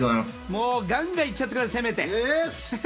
もうガンガン行っちゃってください、攻めて。